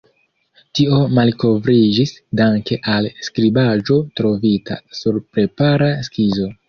Tio malkovriĝis danke al skribaĵo trovita sur prepara skizo.